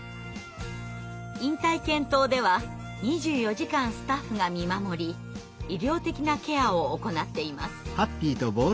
引退犬棟では２４時間スタッフが見守り医療的なケアを行っています。